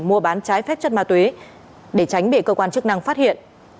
mua bán trái phép chất ma túy để tránh bị cơ quan chức năng phát hiện